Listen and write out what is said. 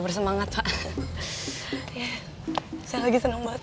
bersemangat saya lagi senang banget